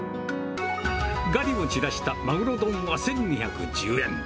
ガリを散らしたまぐろ丼は１２１０円。